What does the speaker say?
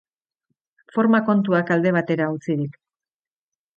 Forma kontuak alde batera utzirik.